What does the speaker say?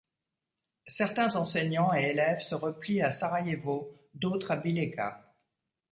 Certains enseignants et élèves se replient à Sarajevo, d'autres à Bileca.